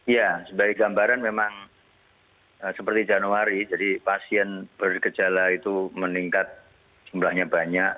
ya sebagai gambaran memang seperti januari jadi pasien berkejala itu meningkat jumlahnya banyak